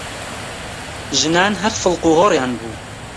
ژنان هەر فڵقوهۆڕیان بوو!